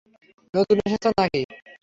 নতুন এসেছেন নাকি?